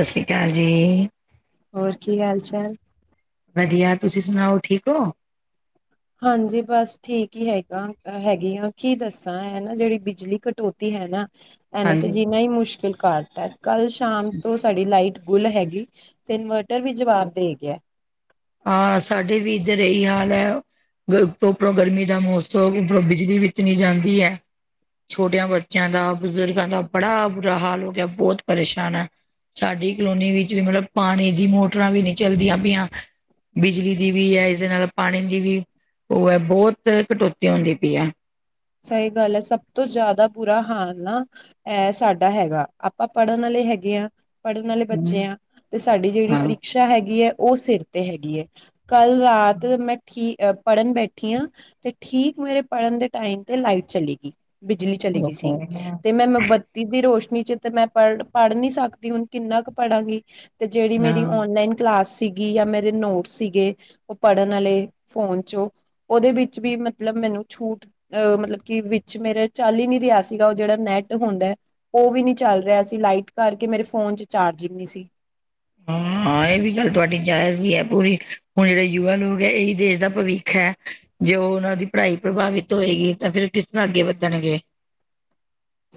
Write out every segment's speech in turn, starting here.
ਸਤਿ ਸ੍ਰੀ ਅਕਾਲ ਜੀ। ਹੋਰ ਕੀ ਹਾਲ ਚਾਲ। ਵਧੀਆ, ਤੁਸੀਂ ਸੁਣਾਓ ਠੀਕ ਹੋ। ਹਾਂਜੀ, ਬਸ ਠੀਕ ਹੀ ਹੈਗਾ ਹੈਗੀ ਆ, ਕੀ ਦੱਸਾਂ ਏ ਨਾ ਜਿਹੜੀ ਬਿਜਲੀ ਕਟੌਤੀ ਹੈ ਨਾ ਇਹਨੇ ਤੇ ਹਾਂਜੀ ਜੀਣਾ ਹੀ ਮੁਸ਼ਕਿਲ ਕਰਤਾ ਏ, ਕੱਲ ਸ਼ਾਮ ਤੋਂ ਸਾਡੀ ਲਾਈਟ ਗੁੱਲ ਹੈਗੀ, ਤੇ ਇਨਵਰਟਰ ਵੀ ਜਵਾਬ ਦੇ ਗਿਆ। ਹਾਂ ਸਾਡੇ ਵੀ ਇੱਧਰ ਇਹੀ ਹਾਲ ਐ। ਤੋਂ ਉਪਰੋਂ ਗਰਮੀ ਦਾ ਮੌਸਮ ਉਪਰੋਂ ਬਿਜਲੀ ਵੀ ਇਤਨੀ ਜਾਂਦੀ ਐ। ਛੋਟਿਆਂ ਬੱਚਿਆਂ ਦਾ, ਬਜ਼ੁਰਗਾਂ ਦਾ ਬੜਾ ਬੁਰਾ ਹਾਲ ਹੋ ਗਿਆ, ਬਹੁਤ ਪਰੇਸ਼ਾਨ ਆ। ਸਾਡੀ ਕਲੋਨੀ ਵਿੱਚ ਵੀ ਮਤਲਬ ਪਾਣੀ ਦੀ ਮੋਟਰਾਂ ਵੀ ਨਹੀਂ ਚੱਲਦੀਆਂ ਪਈਆਂ। ਬਿਜਲੀ ਦੀ ਵੀ ਐ, ਇਸਦੇ ਨਾਲ ਪਾਣੀ ਦੀ ਵੀ ਉਹ ਹੈ ਬਹੁਤ ਕਟੌਤੀ ਹੁੰਦੀ ਪਈ ਆ। ਸਹੀ ਗੱਲ ਆ, ਸਭ ਤੋਂ ਜ਼ਿਆਦਾ ਬੁਰਾ ਹਾਲ ਨਾ ਅ ਸਾਡਾ ਹੈਗਾ, ਆਪਾਂ ਪੜ੍ਹਨ ਵਾਲੇ ਹੈਗੇ ਆ। ਪੜ੍ਹਨ ਵਾਲੇ ਬੱਚੇ ਹਮ ਆ, ਤੇ ਸਾਡੀ ਜਿਹੜੀ ਹਾਂ ਪ੍ਰੀਸ਼ਾ ਹੈਗੀ ਐਂ ਉਹ ਸਿਰ ਤੇ ਹੈਗੀ ਐ। ਕੱਲ੍ਹ ਰਾਤ ਮੈਂ ਠੀਕ ਪੜ੍ਹਨ ਬੈਠੀ ਹਾਂ, ਤੇ ਠੀਕ ਮੇਰੇ ਪੜ੍ਹਨ ਦੇ ਟਾਈਮ ਤੇ ਲਾਈਟ ਚਲੀ ਗਈ, ਬਿਜਲੀ ਚਲੀ ਗਈ ਸੀ ਓਹੋ, ਤੇ ਮੈਂ ਮੋਮਬੱਤੀ ਦੀ ਰੋਸ਼ਨੀ ਚ ਤੇ ਮੈਂ ਪੜ੍ਹ-ਪੜ੍ਹ ਨੀ ਸਕਦੀ, ਹੁਣ ਕਿੰਨਾ ਕੁ ਪੜਾਂਗੀ। ਤੇ ਜਿਹੜੀ ਮੇਰੀ ਹਾਂ ਔਨਲਾਈਨ ਕਲਾਸ ਸੀਗੀ। ਜਾਂ ਮੇਰੇ ਨੋਟ ਸੀਗੇ, ਉਹ ਪੜ੍ਹਨ ਵਾਲੇ ਫੋਨ ਚੋਂ ਉਹਦੇ ਵਿੱਚ ਵੀ ਮਤਲਬ ਮੈਨੂੰ ਮੈਨੂੰ ਛੂਟ ਅਹ ਮਤਲਬ ਕਿ ਵਿੱਚ ਮੇਰਾ ਚੱਲ ਹੀ ਨਹੀਂ ਰਿਹਾ ਸੀਗਾ, ਉਹ ਜਿਹੜਾ ਨੈਟ ਹੁੰਦਾ, ਉਹ ਵੀ ਨਹੀਂ ਚੱਲ ਰਿਹਾ ਸੀ। ਲਾਈਟ ਕਰਕੇ ਮੇਰੇ ਫੋਨ ਚ ਚਾਰਜਿੰਗ ਨਹੀਂ ਸੀ। ਹਾਂ। ਹਾਂ, ਇਹ ਵੀ ਗੱਲ ਤੁਹਾਡੀ ਜਾਇਜ਼ ਹੀ ਐ, ਪੂਰੀ ਹੁਣ ਜਿਹੜੇ ਯੁਵਾ ਲੋਕ ਹੈ ਇਹੀ ਦੇਸ਼ ਦਾ ਭਵਿੱਖ ਐ। ਜੋੇ ਉਹਨਾਂ ਦੀ ਪੜ੍ਹਾਈ ਪ੍ਰਭਾਵਿਤ ਹੋਏਗੀ ਤਾਂ ਫਿਰ ਕਿਸ ਤਰ੍ਹਾਂ ਅੱਗੇ ਵੱਧਣਗੇ। [unintelligible]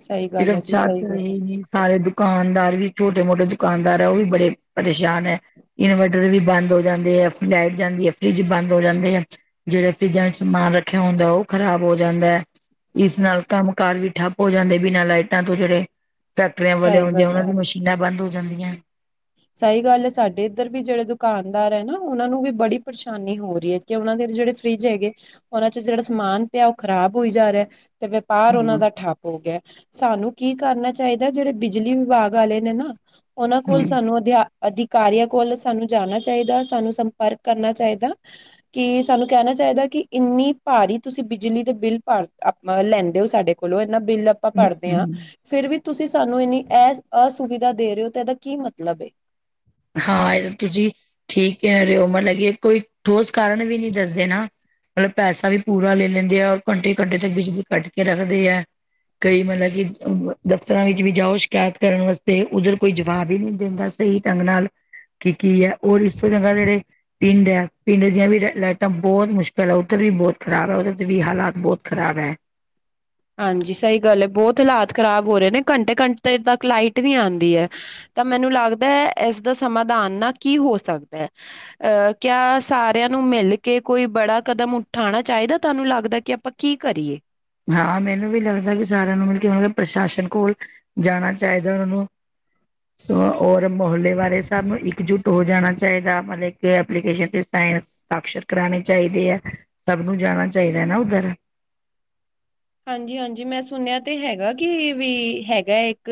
ਸਹੀ ਗੱਲ ਸਿਰਫ ਹੈ ਜੀ ਸਤ ਸਹੀ ਗੱਲ ਹੀ ਹੈ ਨੀ, ਸਾਰੇ ਦੁਕਾਨਦਾਰ ਵੀ ਛੋਟੇ ਮੋਟੇ ਦੁਕਾਨਦਾਰ ਆ, ਉਹ ਵੀ ਬੜੇ ਪਰੇਸ਼ਾਨ ਐ, ਇਨਵਰਟਰ ਵੀ ਬੰਦ ਹੋ ਜਾਂਦੇ ਆ, ਲਾਈਟ ਜਾਂਦੀ ਆ, ਫਰਿੱਜ ਬੰਦ ਹੋ ਜਾਂਦੇ ਐ। ਜਿਹੜਾ ਫਰਿਜਾਂ ਵਿੱਚ ਸਮਾਨ ਰੱਖਿਆ ਹੁੰਦਾ ਉਹ ਖ਼ਰਾਬ ਹੋ ਜਾਂਦਾ ਐ। ਇਸ ਨਾਲ ਕੰਮ ਕਾਰ ਵੀ ਠੱਪ ਹੋ ਜਾਂਦੇ, ਬਿਨਾਂ ਲਾਈਟਾਂ ਤੋਂ ਜਿਹੜੇ ਫੈਕਟਰੀਆਂ ਵਾਲੇ ਸਹੀ ਹੁੰਦੇ, ਗੱਲ ਉਹਨਾਂ ਹੈ ਦੀਆਂ ਮਸ਼ੀਨਾਂ ਬੰਦ ਹੋ ਜਾਂਦੀਆਂ। ਸਹੀ ਗੱਲ ਐ, ਸਾਡੇ ਇੱਧਰ ਵੀ ਜਿਹੜੇ ਦੁਕਾਨਦਾਰ ਹੈ ਨਾ ਉਹਨਾਂ ਨੂੰ ਵੀ ਬੜੀ ਪਰੇਸ਼ਾਨੀ ਹੋ ਰਹੀ ਐ ਕਿ ਉਹਨਾਂ ਦੇ ਜਿਹੜੇ ਫਰਿੱਜ ਹੈਗੇ, ਉਹਨਾਂ ਚ ਜਿਹੜਾ ਸਮਾਨ ਪਿਆ ਉਹ ਖ਼ਰਾਬ ਹੋਈ ਜਾ ਰਿਹਾ। ਤੇ ਵਪਾਰ ਉਹਨਾਂ ਹਮ ਦਾ ਠੱਪ ਹੋ ਗਿਆ, ਸਾਨੂੰ ਕੀ ਕਰਨਾ ਚਾਹੀਦਾ, ਜਿਹੜੇ ਬਿਜਲੀ ਵਿਭਾਗ ਵਾਲੇ ਨੇ ਨਾ ਉਹਨਾਂ ਕੋਲ ਹਮ ਸਾਨੂੰ ਅਧਿਕਾਰੀਆਂ ਕੋਲ ਸਾਨੂੰ ਜਾਣਾ ਚਾਹੀਦਾ, ਸਾਨੂੰ ਸੰਪਰਕ ਕਰਨਾ ਚਾਹੀਦਾ ਕਿ ਸਾਨੂੰ ਕਹਿਣਾ ਚਾਹੀਦਾ ਕਿ ਇੰਨੀ ਭਾਰੀ ਤੁਸੀਂ ਬਿਜਲੀ ਦੇ ਬਿੱਲ ਭਾਰ ਲੈਂਦੇ ਹੋ, ਸਾਡੇ ਕੋਲੋਂ ਬਿੱਲ ਆਪਾਂ ਭਰਦੇ ਹਾਂ, ਹਮ ਫੇਰ ਵੀ ਤੁਸੀਂ ਸਾਨੂੰ ਇੰਨੀ ਅਸੁਵਿਧਾ ਦੇ ਰਹੇ ਹੋ ਤੇ ਇਹਦਾ ਕੀ ਮਤਲਬ ਮਤਲਬ ਹਾਂ, ਇਹ ਤਾਂ ਤੁਸੀਂ ਠੀਕ ਕਹਿ ਰਹੇ ਹੋ, ਮਤਲਬ ਕਿ ਕੋਈ ਠੋਸ ਕਾਰਨ ਵੀ ਨਹੀਂ ਦਿੱਸਦੇ ਨਾ। ਮਤਲਬ ਪੈਸਾ ਵੀ ਪੂਰਾ ਲੈ ਲੈਂਦੇ ਆ, ਔਰ ਘੰਟੇ-ਘੰਟੇ ਤੱਕ ਬਿਜਲੀ ਕੱਟ ਕੇ ਰੱਖਦੇ ਆ। ਕਈ ਮਤਲਬ ਕਿ ਦਫ਼ਤਰਾਂ ਵਿੱਚ ਵੀ ਜਾਉ, ਸ਼ਿਕਾਇਤ ਕਰਨ ਵਾਸਤੇ ਉੱਧਰ ਕੋਈ ਜਵਾਬ ਹੀ ਨਹੀਂ ਦਿੰਦਾ ਸਹੀ। ਢੰਗ ਨਾਲ ਕੀ ਕੀ ਆ ਔਰ ਇਸ ਤੋਂ ਜਗਾ ਜਿਹੜੇ ਪਿੰਡ ਆ, ਪਿੰਡ ਦੀਆਂ ਵੀ ਲਾਈਟਾਂ ਬਹੁਤ ਮੁਸ਼ਕਿਲ ਹੈ ਉੱਧਰ ਵੀ ਬਹੁਤ ਖ਼ਰਾਬ ਹੈ, ਉਹਦੇ ਚ ਵੀ ਹਾਲਾਤ ਬਹੁਤ ਖਰਾਬ ਹੈ। ਹਾਂਜੀ ਸਹੀ ਗੱਲ ਹੈ ਬਹੁਤ ਹਾਲਾਤ ਖ਼ਰਾਬ ਹੋ ਰਹੇ ਨੇ ਘੰਟੇ ਘੰਟੇ ਤੱਕ ਲਾਈਟ ਨੀ ਆਦੀ ਹੈ। ਤਾਂ ਮੈਨੂੰ ਲੱਗਦਾ ਹੈ, ਇਸਦਾ ਸਮਾਧਾਨ ਨਾ ਕੀ ਹੋ ਸਕਦਾ ਹੈ ਅਹ ਕਿਆ ਸਾਰਿਆਂ ਨੂੰ ਮਿਲ ਕੇ ਕੋਈ ਬੜਾ ਕਦਮ ਉਠਾਉਣਾ ਚਾਹੀਦਾ, ਤੁਹਾਨੂੰ ਲੱਗਦਾ ਕਿ ਆਪਾਂ ਕੀ ਕਰੀਏ। ਹਾਂ ਮੈਨੂੰ ਵੀ ਲੱਗਦਾ ਕਿ ਸਾਰਿਆਂ ਨੂੰ ਮਤਲਬ ਕਿ ਮਤਲ ਪ੍ਰਸ਼ਾਸਨ ਕੋਲ ਜਾਣਾ ਚਾਹੀਦਾ ਉਹਨਾਂ ਨੂੰ ਸ ਔਰ ਮੁਹੇ ਵਾਲਾਰੇ ਸਭ ਨੂੰ ਇੱਕਜੁੱਟ ਹੋ ਜਾਣਾ ਚਾਹੀਦਾ, ਮਤਲਬ ਕਿ ਐਪਲੀਕੇਸ਼ਨ ਤੇ ਸਾਕਸ਼ਤ ਕਰਾਉਣੇ ਚਾਹੀਦੇ ਆ, ਸਭ ਨੂੰ ਜਾਣਾ ਚਾਹੀਦਾ ਨਾ ਉੱਧਰ ਹਾਂਜੀ-ਹਾਂਜੀ ਮੈਂ ਸੁਣਿਆ ਤੇ ਹੈਗਾ ਕਿ ਵੀ ਹੈਗਾ ਇੱਕ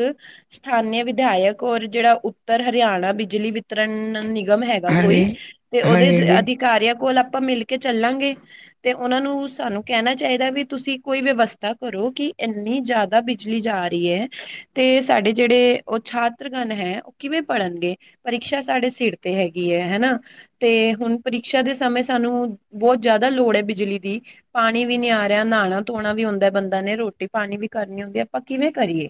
ਸਥਾਨਿਕ ਵਿਧਾਇਕ। ਔਰ ਜਿਹੜਾ ਉੱਤਰ ਹਰਿਆਣਾ ਬਿਜਲੀ ਵਿਤਰਣ ਨਿਗ ਨਿਗਮ ਹੈਗਾ ਹਾਂਜੀ ਕੋਈ ਤੇ ਉਹਦੇ ਹਾਂਜੀ ਹਾਂਜੀ ਅਧਿਕਾਰੀਆਂ ਕੋਲ ਆਪ ਆਪਾਂ ਮਿਲ ਕੇ ਚੱਲਾਂਗੇ ਤੇ ਉਹਨਾਂ ਨੂੰ ਸਾਨੂੰ ਕਹਿਣਾ ਚਾਹੀਦਾ ਵੀ ਤੁਸੀਂ ਕੋਈ ਵਿਵਸਥਾ ਕਰੋ ਕਿ ਇੰਨੀ ਜ਼ਿਆਦਾ ਬਿਜਲੀ ਜਾ ਰਹੀ ਹੈ, ਤੇ ਸਾਡੇ ਜਿਹੜੇ ਉ ਛਾਤਰਗਣ ਹੈ ਉਹ ਕਿਵੇਂ ਪੜ੍ਹਨਗੇ ਪਰੀਕਸ਼ਾ ਸਾਡੇ ਸਿਰ ਤੇ ਹੈਗੀ ਹੈ ਹਨਾ ਤੇ ਹੁਣ ਪ੍ਰੀਕਸ਼ਾ ਦੇ ਸਮੇਂ ਸਾਨੂੰ ਬਹੁਤ ਜ਼ਿਆਦਾ ਲੋੜ ਹੈ ਬਿਜਲੀ ਦੀ, ਪਾਣੀ ਵੀ ਨੀ ਆ ਰਿਹਾ ਨਾਲ। ਧੋਣਾ ਵੀ ਹੁੰਦਾ ਬੰਦਾ ਨੇ ਰੋਟੀ ਪਾਣੀ ਵੀ ਕਰਨੀ ਹੁੰਦੀ ਐ, ਆਪਾਂ ਕਿਵੇਂ ਕਰੀਏ।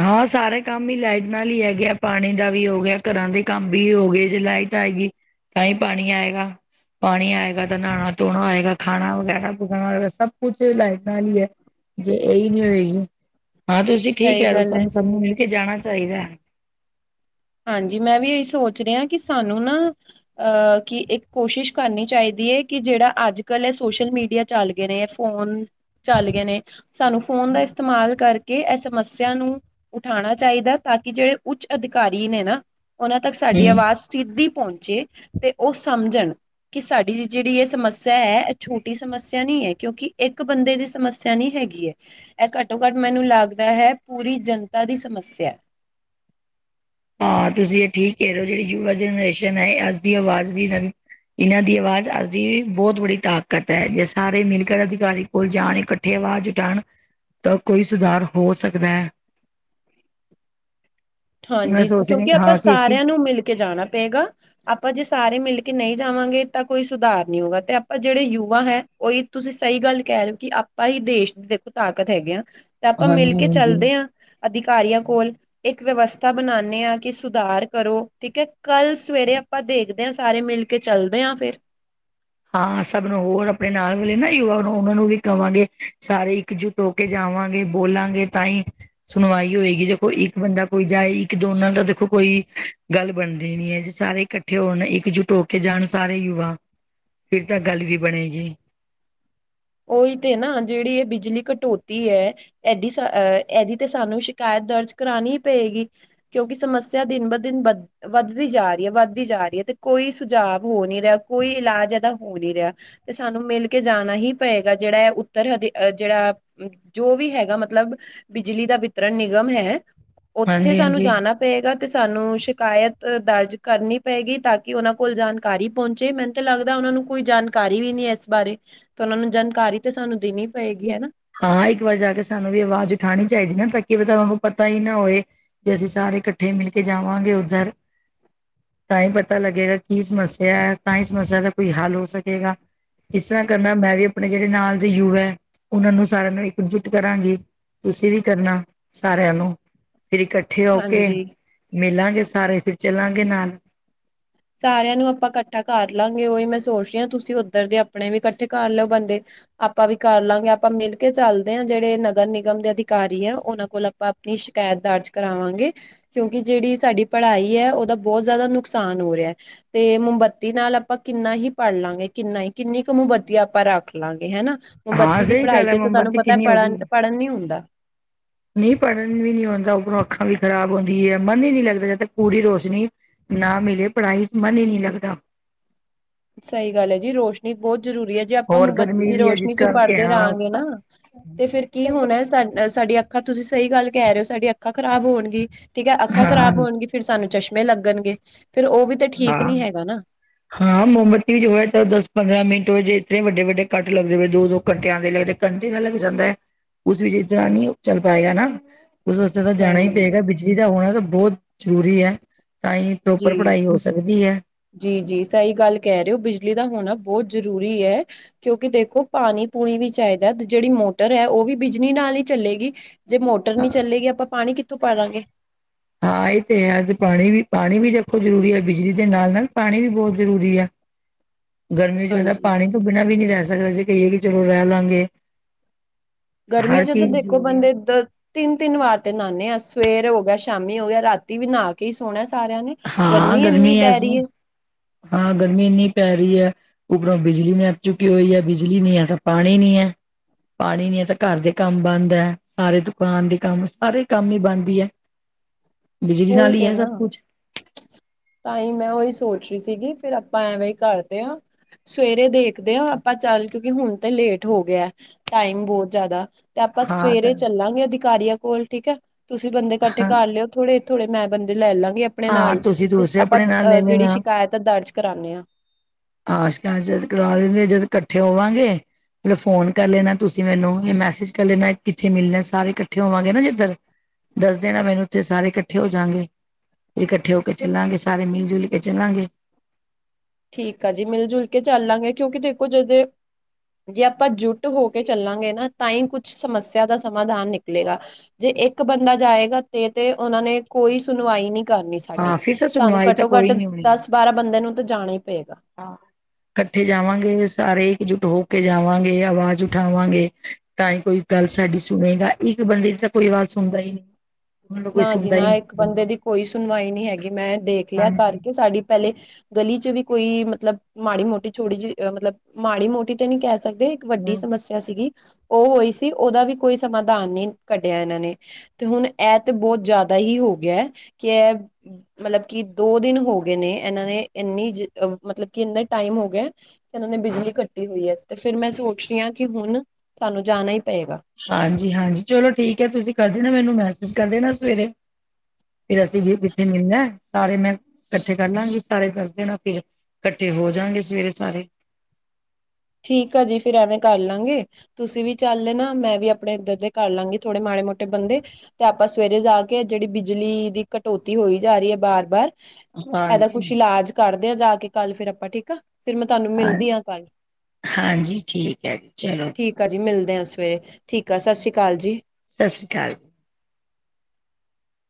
ਹਾਂ ਸਾਰੇ ਕੰਮ ਹੀ ਲਾਈਟ ਨਾਲ ਹੀ ਹੈਗੇ ਆ। ਪਾਣੀ ਦਾ ਵੀ ਹੋ ਗਿਆ ਘਰਾਂ ਦੇ ਕੰਮ ਵੀ ਹੋ ਗਏ, ਜੇ ਲਾਈਟ ਆਏਗੀ ਤਾਂ ਹੀ ਪਾਣੀ ਆਏਗਾ। ਪਾਣੀ ਆਏਗਾ ਤਾਂ ਨਹਾਣਾ ਧੋਣਾ ਹੋਏਗਾ, ਖਾਣਾ ਵਗੈਰਾ ਪਕਾਣਾ ਹੋਏਗਾ ਸਭ ਕੁਛ ਲਾਈਟ ਨਾਲ ਹੀ ਹੈ। ਜੇ ਇਹੀ ਨਹੀਂ ਰਈ ਹਾਂ ਤੁਸੀਂ ਠੀਕ ਸਹੀ ਕਹਿ ਰਹੇ ਹੋ, ਗੱਲ ਹੈ ਸਾਨੂੰ ਸਭ ਨੂੰ ਮਿਲ ਕੇ ਜਾਣਾ ਚਾਹੀਦਾ। ਹਾਂਜੀ ਮੈਂ ਵੀ ਇਹੀ ਸੋਚ ਰਿਹਾ ਕਿ ਸਾਨੂੰ ਨਾ ਅਹ ਕਿ ਇੱਕ ਕੋਸ਼ਿਸ਼ ਕਰਨੀ ਚਾਹੀਦੀ। ਕਿ ਜਿਹੜਾ ਅੱਜ- ਕੱਲ੍ਹ ਹੈ ਸੋਸ਼ਲ ਮੀਡੀਆ ਚੱਲ ਗਏ ਨੇ ਫੋਨ ਚੱਲ ਗਏ ਨੇ, ਸਾਨੂੰ ਫੋਨ ਦਾ ਇਸਤੇਮਾਲ ਕਰਕੇ ਕਿ ਇਹ ਸਮੱਸਿਆ ਨੂੰ ਉਠਾਉਣਾ ਚਾਹੀਦਾ, ਤਾਂ ਕਿ ਜਿਹੜੇ ਉੱਚ ਅਧਿਕਾਰੀ ਨੇ ਨਾ ਉਹਨਾਂ ਤੱਕ ਸਾਡੀ ਹਮ ਆਵਾਜ਼ ਸਿੱਧੀ ਪਹੁੰਚ ਚੇ ਉਹ ਸਮਝਣਕਿ ਸਾਡੀ ਜਿਹੜੀ ਇਹ ਸਮੱਸਿਆ ਹੈ, ਇਹ ਛੋਟੀ ਸਮੱਸਿਆ ਨਹੀਂ ਹੈ। ਕਿਉਂਕਿ ਇੱਕ ਬੰਦੇ ਦੀ ਸਮੱਸਿਆ ਨਹੀਂ ਹੈਗੀ ਐ, ਇਹ ਘੱਟੋ- ਘੱਟ ਮੈਨੂੰ ਲੱਗਦਾ ਹੈ ਪੂਰੀ ਜਨਤਾ ਦੀ ਸਮੱਸਿਆ। ਹਾਂ ਤੁਸੀਂ ਇਹ ਠੀਕ ਕਹਿ ਰਹੇ ਹੋ, ਜਿਹੜੀ ਯੁਵਾ ਜਨਰੇਸ਼ਨ ਹੈ ਅੱਜ ਦੀ ਆਵਾਜ਼ ਦੀ ਨਵੀਂ ਇਹਨਾਂ ਦੀ ਆਵਾਜ਼ ਅੱਜ ਦੀ ਬਹੁਤ ਬੜੀ ਤਾਕਤ ਹੈ, ਜੇ ਸਾਰੇ ਮਿਲਕ ਅਧਿਕਾਰੀ ਕੋਲ ਜਾਣ ਇਕੱਠੇ ਹੋ ਆਵਾਜ਼ ਜੁਟਾਉਣ ਦਾ ਕੋਈ ਸੁਧਾਰ ਹੋ ਸਕਦਾ ਹੈ। [unintelligible] ਮੈਂ ਹਾਂਜੀ ਸੋਚ ਰਹੀ ਕਿਉਂਕਿ ਆਪਾਂ ਹਾਂ ਕਿ ਅਸੀਂ ਸਾਰਿਆਂ ਨੂੰ ਮਿਲ ਕੇ ਜਾਣਾ ਪਏਗਾ, ਆਪਾਂ ਜਿਸ ਸਾਰੇ ਮਿਲ ਕੇ ਨਹੀਂ ਜਾਵਾਂਗੇ ਤਾਂ ਕੋਈ ਸੁਧਾਰ ਨੀ ਹੋਊਗਾ, ਤੇ ਆਪਾਂ ਜਿਹੜੇ ਯੁਵਾ ਹੈ ਉਹੀ ਤੁਸੀਂ ਸਹੀ ਗੱਲ ਕਹਿ ਕਹਿ ਲਓ ਕਿ ਆਪਾਂ ਹੀ ਦੇਸ਼ ਦੀ ਦੇਖੋ ਤਾਕਤ ਹੈਗੇ ਆ। ਤੇ ਆਪਾਂ ਮਿਲ ਹਾਂਜੀ ਕੇ ਹਾਂਜੀ ਚੱਲਦੇ ਹਾਂ, ਅਧਿਕਾਰੀਆਂ ਕੋਲ ਇੱਕ ਵਿਵਸਥਾ ਬਣਾਣੇ ਹਾਂ ਕਿ ਸੁਧਾਰ ਕਰੋ ਠੀਕ ਹੈ, ਕੱਲ ਸਵੇਰੇ ਆਪਾਂ ਦੇਖਦੇ ਹਾਂ ਸਾਰੇ ਮਿਲ ਕੇ ਚੱਲਦੇ ਆ ਫਿਰ। ਹਾਂ ਸਭ ਨੂੰ ਹੋਰ ਆਪਣੇ ਨਾਲ ਮਿਲੇ ਨਾ ਯੁਵਾ ਉਹਨਾਂ ਨੂੰ ਵੀ ਕਹਾਂਗੇ ਸਾਰੇ ਇੱਕਜੁੱਟ ਹੋ ਕੇ ਜਾ ਆਵਾਂਗੇ ਬੋਲਾਂਗੇ ਤਾਂ ਹੀ ਸੁਣਵਾਈ ਹੋਏਗੀ ਦੇਖੋ ਇੱਕ ਬੰਦਾ ਕੋਈ ਜਾਏ ਇੱਕ ਦੋਨਾਂ ਦਾ ਦੇਖੋ ਕੋਈ ਗੱਲ ਬਣਦੀ ਨੀ ਹੈ ਜੇ ਸਾਰੇ ਇਕੱਠੇ ਹੋਣ ਇੱਕਜੁੱਟ ਹੋ ਕੇ ਜਾਣ ਸਾਰੇ ਯੁਵਾ। ਫਿਰ ਤਾਂ ਗੱਲ ਵੀ ਬਣੇਗੀ। ਉਹੀ ਤੇ ਨਾ ਜਿਹੜੀ ਇਹ ਬਿਜਲੀ ਕਟੌਤੀ ਹੈ, ਇਡੀਹ ਇਹਦੀ ਤੇ ਸਾਨੂੰ ਸ਼ਿਕਾਇਤ ਦਰਜ ਕਰਾਣੀ ਪਏਗੀ, ਕਿਉਂਕਿ ਸਮੱਸਿਆ ਦਿਨ ਬ ਦਿਨ ਵੱਧ ਵੱਧਦੀ ਜਾ ਰਹੀ ਹੈ ਵੱਧਦੀ ਜਾ ਰਹੀ ਹੈ। ਤੇ ਕੋਈ ਸੁਝਾਵ ਹੋ ਨੀ ਰਿਹਾ ਕੋਈ ਇਲਾਜ ਇਹਦਾ ਹੋ ਨੀ ਰਿਹਾ ਤੇ ਸਾਨੂੰ ਮਿਲ ਕੇ ਜਾਣਾ ਹੀ ਪਏਗਾ ਜਿਹੜਾ ਹੈ ਉੱਤਰ ਹ ਜਿਹੜਾ ਜੋ ਵੀ ਹੈਗਾ ਮਤਲਬ ਬਿਜਲੀ ਦਾ ਵਿਤਰਣ ਨਿਗਮ ਹੈ ਉੱਥੇ ਹਾਂਜੀ ਸਾਨੂੰ ਹਾਂਜੀ ਜਾਣਾ ਪਏਗਾ। ਤੇ ਸਾਨੂੰ ਸ਼ਿਕਾਇਤ ਦਰਜ ਕਰਨੀ ਪਏਗੀ, ਤਾਂ ਕਿ ਉਹਨਾਂ ਕੋਲ ਜਾਣਕਾਰੀ ਪਹੁੰਚੇ ਮੈਨੂੰ ਤਾਂ ਲੱਗਦਾ ਉ ਉਹਨਾਂ ਨੂੰ ਕੋਈ ਜਾਣਕਾਰੀ ਵੀ ਨੀ ਇਸ ਬਾਰੇ ਤੇ ਉਹਨਾਂ ਨੂੰ ਜਾਣਕਾਰੀ ਤਾਂ ਸਾਨੂੰ ਦੇਣੀ ਪਏਗੀ ਹਨਾ। ਹਾਂ ਇੱਕ ਵਾਰ ਜਾ ਕੇ ਸਾਨੂੰ ਵੀ ਆਵਾਜ਼ ਉਠਾਉਣੀ ਚਾਹੀਦੀ ਨਾ ਤਾਂ ਕਿ ਤੁਹਾਨੂੰ ਪਤਾ ਹੀ ਨਾ ਹੋਵੇ ਜੇ ਅਸੀਂ ਸਾਰੇ ਸਾਰੇ ਇਕੱਠੇ ਮਿਲ ਕੇ ਜਾਵਾਂਗੇ ਉੱਧਰ [inaudible] ਤਾਂ ਹੀ ਪਤਾ ਲੱਗੇਗਾ ਕੀ ਸਮੱਸਿਆ ਹੈ, ਤਾਂ ਹੀ ਸਮੱਸਿਆ ਦਾ ਕੋਈ ਹੱਲ ਹੋ ਸਕੇਗਾ। ਇਸ ਤਰ੍ਹਾਂ ਕਰਨਾ ਮੈਂ ਵੀ ਆਪਣੇ ਜਿਹੜੇ ਨਾਲ ਦੇ ਯੁਵਾ ਉਹਨਾਂ ਨੂੰ ਸਾਰਿਆਂ ਨੂੰ ਇਕਜੁੱਟ ਕਰਾਂਗੀ, ਤੁਸੀਂ ਵੀ ਕਰਨਾ ਸਾਰਿਆਂ ਨੂੰ। ਫਿਰ ਇਕੱਠੇ ਹੋ ਕੇ ਹਾਂਜੀ। ਮਿਲਾਂਗੇ ਸਾਰੇ ਫਿਰ ਚੱਲਾਂਗੇ ਨਾਲ। ਸਾਰਿਆਂ ਨੂੰ ਆਪਾਂ ਇਕੱਠਾ ਕਰ ਲਾਂਗੇ ਉਹੀ ਮੈਂ ਸੋਚ ਰਹੀ ਹਾਂ, ਤੁਸੀਂ ਉੱਧਰ ਦੇ ਆਪਣੇ ਵੀ ਇਕੱਠੇ ਕਰ ਲਓ ਬੰਦੇ। ਆਪਾਂ ਵੀ ਕਰ ਲਵਾਂਗੇ ਆਪਾਂ ਮਿਲ ਕੇ ਚੱਲਦੇ ਹਾਂ ਜਿਹੜੇ ਨਗਰ ਨਿਗਮ ਦੇ ਅਧਿਕਾਰੀ ਹੈ ਉਹਨਾਂ ਕੋਲ ਆਪਾਂ ਆਪਣੀ ਸ਼ਿਕਾਇਤ ਦਰਜ ਕਰਾਵਾਂਗੇ ਕਿਉਂਕਿ ਜਿਹੜੀ ਸਾਡੀ ਪੜ੍ਹਾਈ ਹੈ ਉਹਦਾ ਬਹੁਤ ਜ਼ਿਆਦਾ ਨੁਕਸਾਨ ਹੋ ਰਿਹਾ ਤੇ ਮੋਮਬੱਤੀ ਨਾਲ ਆਪਾਂ ਕਿੰਨਾ ਹੀ ਪੜ ਲਾਂਗੇ ਕਿੰਨਾ ਹੀ ਕਿੰਨੀ ਕੁ ਮੋਮਬੱਤੀ ਆਪਾਂ ਰੱਖ ਲਵਾਂਗੇ ਹਨਾ। ਹਾਂ ਮੋਮਬੱਤੀ ਦੀ ਸਹੀ ਪੜ੍ਹਾਈ ਗੱਲ ਹੈ ਚ ਤਾਂ ਤੁਹਾਨੂੰ ਮੋਮਬੱਤੀ ਪਤਾ ਪੜਨ ਪੜ੍ਹਨ ਨੀ ਹੁੰਦਾ। ਨੀਂਹ ਪੜ੍ਹਨ ਵੀ ਨੀ ਆਦਾ ਉਪਰੋਂ ਅੱਖਾਂ ਵੀ ਖਰਾਬ ਹੁੰਦੀ ਹੈ ਮਨ ਹੀ ਨਹੀ ਲੱਗਦਾ ਜਦ ਤਾਂ ਪੂਰੀ ਰੋਸ਼ਨੀ ਨਾ ਮਿਲੇ ਪੜ੍ਹਾਈ ਚ ਮਨ ਹੀ ਨਹੀ ਲੱਗਦਾ। ਸਹੀ ਗੱਲ ਹੈ ਜੀ ਰੋਸ਼ਨੀ ਬਹੁਤ ਜ਼ਰੂਰੀ ਹੈ ਜੇ ਆਪਾਂ ਹੋਰ ਮੋਮਬੱਤੀ ਗਰਮੀ ਦੀ ਵੀ ਹੈ ਰੋਸ਼ਨੀ ਜਿਸ ਚ ਕਰਕੇ ਪੜ੍ਹਦੇ ਹਾਂ ਰਹਾਂਗੇ ਨਾ ਤੇ ਫੇਰ ਕੀ ਹੋਣਾ ਸਾ ਸਾਡੀ ਅੱਖਾਂ ਤੁਸੀਂ ਸਹੀ ਗੱਲ ਕਹਿ ਰਹੇ ਹੋ ਸਾਡੀ ਅੱਖਾਂ ਖਰਾਬ ਹੋਣਗੀ ਠੀਕ ਹੈ ਅੱਖਾਂ ਖ਼ਰਾਬ ਹਾਂ ਹੋਣਗੀ ਫਿਰ ਸਾਨੂੰ ਚਸ਼ਮਾ ਲੱਗਣਗੇ ਫੇਰ ਉਹ ਵੀ ਤਾਂ ਠੀਕ ਨੀ ਹਾਂ। ਹੈਗਾ ਨਾ। ਹਾਂ ਮੋਮਬੱਤੀ ਚ ਹੋਇਆ ਦਸ ਪੰਦਰਾਂ ਮਿੰਟ ਜੇ ਇਤੇ ਵੱਡੇ-ਵੱਡੇ ਕਟ ਦੋ ਘੰਟਿਆਂ ਦੇ ਲਗਦੇ ਘੰਟੇ ਦੇ ਲੱਗ ਜਾਂਦਾ ਹੈ। ਉਸ ਵਿੱਚ ਇਦਰ ਨੀ ਚੱਲ ਪਾਏਗਾਾ। ਉਸ ਵਾਸਤੇ ਤਾਂ ਜਾਣਾ ਹੀ ਨਹੀਂ ਪਏਗਾ ਬਿਜਲੀ ਦਾ ਹੋਣਾ ਤਾਂ ਬਹੁਤ ਜ਼ਰੂਰੀ ਹੈ ਤਾਂ ਹੀ ਜੀ ਪ੍ਰੋਪਰ ਪੜ੍ਹਾਈ ਹੋ, ਸਕਦੀ ਹੈ ਜੀ ਜੀ ਸਹੀ ਗੱਲ ਕਹਿ ਰਹੇ ਹੋ ਬਿਜਲੀ ਦਾ ਹੋਣਾ ਬਹੁ ਬਤ ਜ਼ਰੂਰੀ ਹੈ ਕਿਉਂਕਿ ਦੇਖੋ ਪਾਣੀ ਪੂਣੀ ਵੀ ਚਾਹੀਦਾ ਜਿਹੜੀ ਮੋਟਰ ਹੈ ਉਹ ਵੀ ਬਿਜਲੀ ਨਾਲ ਚੱਲੇਗੀ ਜੇ ਮੋਟਰ ਨਹੀ ਚੱਲੇਗੀ ਆਪਾਂ ਪਾਣੀ ਕਿੱਥੋਂ ਪਾਲਾਂਗੇ। ਹਾਂ ਇਹ ਤੇ ਹੈ ਅੱਜ ਪਾਣੀ ਵੀ ਪਾਣੀ ਵੀ ਦੇਖੋ ਜ਼ਰੂਰੀ ਹੈ, ਬਿਜਲੀ ਦੇ ਨਾਲ ਨਾਲ ਪਾਣੀ ਵੀ ਬਹੁਤ ਜ਼ਰੂਰੀ ਹੈ। [inaudible] ਗਰਮੀ ਵਿੱਚ ਬੰਦਾ ਹਾਂਜੀ ਪਾਣੀ ਤੋਂ ਬਿਨਾਂ ਵੀ ਨੀ ਰਹਿ ਸਕਦਾ ਜੇ ਕਹੀਏ ਕਿ ਚਲੋ ਰਹਿ ਲਾਂਗੇ। ਗਰਮੀ ਹਰ ਚ ਤਾਂ ਚੀਜ਼ ਦੇਖੋ ਜ਼ਰੂਰੀ ਆ। ਬੰਦੇ ਇਧ ਤਿੰਨ-ਤਿੰਨ ਵਾਰ ਤੇ ਨਹਾਨੇ ਆ ਸਵੇਰ ਹੋ ਗਿਆ ਸ਼ਾਮੀ ਹੋ ਗਿਆ ਰਾਤੀ ਵੀ ਨਹਾ ਕੇ ਹੀ ਸੋਹਣਾ। ਸਾਰਿਆਂ ਨੇ ਗਰਮੀ ਇੰਨੀ ਪੈ ਰਹੀ ਹੈ। ਹਾਂ ਗਰਮੀ ਇੰਨੀ ਪੈ ਰਹੀ ਹੈ। ਉੱਪਰੋਂ ਬਿਜਲੀ ਨਹੀਂ ਅੱ ਚੁੱਕੀ ਹੋਈ ਹੈ ਬਿਜਲੀ ਨੀ ਹੈ ਤਾਂ ਪਾਣੀ ਨੀ ਹੈ। ਪਾਣੀ ਨੀ ਹੈ ਤਾਂ ਘਰ ਦੇ ਕੰਮ ਬੰਦ ਹੈ ਸਾਰੇ ਦੁਕਾਨ ਦੇ ਕੰਮ ਸਾਰੇ ਕੰਮ ਹੀ ਬਣਦੀ ਹੈ। ਬਿਜਲੀ ਉਹੀ ਨਾਲ ਹੀ ਤੇ ਹੈ ਨਾ ਸਭ ਕੁਛ ਤਾਂ ਹੀ ਮੈਂ ਉਹੀ ਸੋਚ ਰਹੀ ਸੀਗੀ। ਫਿਰ ਆਪਾਂ ਐਵੇ ਹੀ ਕਰਦੇ ਹਾਂ ਸਵੇਰੇ ਦੇਖਦੇ ਹਾਂ ਆਪਾਂ ਚੱਲ ਕਿਉਂਕਿ ਹੁਣ ਤੇ ਲੇਟ ਹੋ ਗਿਆ। ਟਾਈਮ ਬਹੁਤ ਜ਼ਿਆਦਾ ਤੇ ਆਪਾਂ ਹਾਂ ਤਾਂ ਸਵੇਰੇ ਚੱਲਾਂਗੇ ਅਧਿਕਾਰੀਆਂ ਕੋਲ ਠੀਕ ਹੈ ਤੁਸੀਂ ਬੰਦੇ ਇਕੱਠੇ ਹਾਂ ਕਰ ਲਿਓ ਥੋੜੇ ਥੋੜੇ ਮੈਂ ਬੰਦੇ ਲੈ ਲਾਂਗੇ ਆਪਣੇ ਹਾਂ ਨਾਲ ਤੁਸੀਂ ਤੇ ਦੂਸਰੇ ਆਪਾਂ ਆਪਣੇ ਨਾਲ ਅਹ ਲੈ ਜਿਹੜੀ ਸ਼ਿਕਾਇਤ ਆ ਦਰਜ ਕਰਾਉਦੇ ਹਾਂ ਆਸ਼ ਜਦ ਕਰਵਾ ਲੈਂਦੇ ਜਦ ਇਕੱਠੇ ਹੋਵਾਂਗੇ। ਮਤਲਬ ਫੋਨ ਕਰ ਲੈਣਾ ਤੁਸੀਂ ਮੈਨੂੰ ਮੈਸੇਜ ਕਰ ਲੈਣਾ ਕਿੱਥੇ ਮਿਲਣਾ ਸਾਰੇ ਇਕੱਠੇ ਹੋਵਾਂਗੇ ਨਾ ਜਿੱਧਰ ਦੱਸ ਦੇਣਾ ਮੈਨੂੰ ਉੱਥੇ ਸਾਰੇ ਇਕੱਠੇ ਹੋ ਜਾਗੇ। ਫਿਰ ਇਕੱਠੇ ਹੋ ਕੇ ਚੱਲਾਂਗੇ ਸਾਰੇ ਮਿਲ ਜੁਲ ਕੇ ਚੱਲਾਂਗੇ। ਠੀਕ ਆ ਜੀ ਮਿਲ ਜੁਲ ਕੇ ਚੱਲਾਂਗੇ ਕਿਉਂਕਿ ਦੇਖੋ ਜੋਂ ਜੇ ਆਪਾਂ ਜੁੱਟ ਹੋ ਕੇ ਚੱਲਾਂਗੇ ਨਾ ਤਾਂ ਹੀ ਕੁੱਛ ਸਮੱਸਿਆ ਦਾ ਸਮਾਧਾਨ ਨਿਕਲੇਗਾ ਜੇ ਇੱਕ ਬੰਦਾ ਜਾਏਗਾ ਤੇ ਤੇ ਉਹਨਾਂ ਨੇ ਕੋਈ ਸੁਣਵਾਈ ਨੀ ਕਰਨੀ ਸਾਡੀ ਹਾਂ ਫਿਰ ਤਾਂ ਸਾਨੂੰ ਸੁਣਵਾਈ ਤਾਂ ਘੱਟੋ ਘੱਟ ਕੋਈ ਨੀ ਹੋਣੀ। ਦਸ ਬਾਰਾਂ ਬੰਦੇ ਨੂੰ ਤਾਂ ਜਾਣਾ ਹੀ ਪਏਗਾ। ਹਾਂ। ਕੱਠੇ ਜਾਵਾਂਗੇ ਸਾਰੇ ਇਕਜੁੱਟ ਹੋ ਕੇ ਜਾਵਾਂਗੇ ਆਵਾਜ਼ ਉਠਾਵਾਂਗੇ ਤਾਂ ਈ ਕੋਈ ਗੱਲ ਸਾਡੀ ਸੁਣੇਗਾ ਇੱਕ ਬੰਦੇ ਦੀ ਤਾਂ ਕੋਈ ਵਾਜ਼ ਸੁਣਦਾ ਈ ਨੀ। ਨਾ ਜੀ ਨਾ ਇੱਕ ਬੰਦੇ ਦੀ ਕੋਈ ਸੁਣਵਾਈ ਨੀ ਹੈਗੀ ਮੈਂ ਦੇਖ ਲਿਆ ਹਾਂਜੀ ਕਰਕੇ ਸਾਡੀ ਪਹਿਲੇ ਗਲੀ ਚ ਵੀ ਕੋਈ ਮਤਲਬ ਮਾੜੀ ਮੋਟੀ ਛੋੜੀ ਜੀ ਮਤਲਬ ਮਾੜੀ ਮੋਟੀ ਤੇ ਨੀ ਕੈ ਸਕ ਦੇ ਇੱਕ ਵੱਡੀ ਹੂੰ। ਸਮੱਸਿਆ ਸੀਗੀ। ਔ ਹੋਈ ਸੀ ਓਦਾ ਵੀ ਕੋਈ ਸਮਾਧਾਨ ਨੀ ਕੱਢਿਆ ਐਨਾਂ ਨੇ ਤੇ ਹੁਣ ਐ ਤੇ ਬੋਤ ਜਾਦਾ ਹੀ ਹੋ ਗਿਆ ਕੈ ਮਤਲਬ ਕਿ ਦੋ ਦਿਨ ਹੋਗਿਆ ਨੇ ਏਨਾਂ ਨੇ ਇੰਨੀ ਜੇ ਮਤਲਬ ਕਿ ਇਨਾਂ ਟਾਈਮ ਹੋ ਗਿਆ ਕਿ ਓਨਾ ਨੇ ਬਿਜਲੀ ਕੱਟੀ ਹੋਈ ਐ ਤੇ ਫੇਰ ਮੈਂ ਸੋਚ ਰੀ ਹਾਂ ਕੀ ਹੁਣ ਸਾਨੂੰ ਜਾਣਾ ਈ ਹਾਂਜੀ-ਹਾਂਜੀ ਚਲੋ ਠੀਕ ਐ ਤੁਸੀਂ ਕਰ ਦੇਨਾ ਮੈਨੂੰ ਮੈਸੇਜ ਕਰ ਦੇਣਾ ਸਵੇਰੇ। ਫਿਰ ਅਸੀਂ ਜੇ ਕਿੱਥੇ ਮਿਲਣਾ ਸਾਰੇ ਮੈਂ ਕੱਠੇ ਕਰ ਲਾਂਗੀ ਸਾਰੇ ਦੱਸ ਦੇਣਾ ਫਿਰ ਕੱਠੇ ਹੋ ਜਾਣਗੇ ਸਵੇਰੇ ਸਾਰੇ। ਠੀਕ ਆ ਜੀ ਫੇਰ ਐਵੇਂ ਕਰ ਲਾਂਗੇ ਤੁਸੀਂ ਵੀ ਚੱਲ ਨਾ ਮੈਂ ਵੀ ਆਪਣੇ ਇੱਧਰ ਦੇ ਕਰ ਲਾਂਗੀ ਥੋੜੇ ਮਾ ਮਾੜੇ ਮੋਟੇ ਬੰਦੇ ਤੇ ਆਪਾਂ ਸਵੇਰੇ ਜਾ ਕੇ ਜੇੜੀ ਬਿਜਲੀ ਦੀ ਕਟੌਤੀ ਹੋਈ ਜਾ ਰੀ ਐ ਬਾਰ ਬਾਰ ਐਦਾ ਹਾਂਜੀ ਕੁੱਛ ਇਲਾਜ ਕਰਦੇ ਆ ਜਾ ਕੇ ਕੱਲ ਫੇਰ ਆਪਾਂ ਠੀਕ ਆ ਫੇਰ ਮੈਂ ਤੁਹਾਨੂੰ ਹਾਂ ਮਿਲਦੀ ਆ ਕੱਲ੍ਹ ਹਾਂਜੀ ਠੀਕ ਐ ਜੀ ਚਲੋ । ਠੀਕ ਆ ਜੀ ਮਿਲਦੇ ਆ ਸਵੇ ਠੀਕ ਆ ਸਤਿ ਸ੍ਰੀ ਅਕਾਲ ਜੀ। ਸਤਿ ਸ਼੍ਰੀ ਅਕਾਲ।